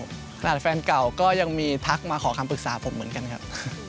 ขนาดแฟนเก่าก็ยังมีทักมาขอคำปรึกษาผมเหมือนกันครับ